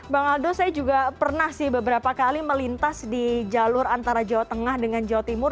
bang aldo saya juga pernah sih beberapa kali melintas di jalur antara jawa tengah dengan jawa timur